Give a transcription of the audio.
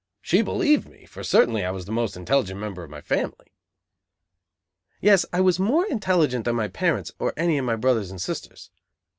She believed me, for certainly I was the most intelligent member of my family. Yes, I was more intelligent than my parents or any of my brothers and sisters.